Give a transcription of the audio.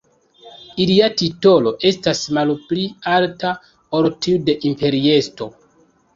Ilia titolo estas malpli alta ol tiu de imperiestro.